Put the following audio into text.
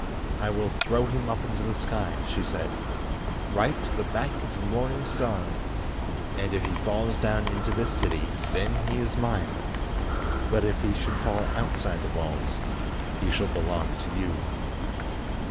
"I will throw him up into the sky," she said, "right to the back of the morning star, and if he falls down into this city, then he is mine. But if he should fall outside the walls, he shall belong to you."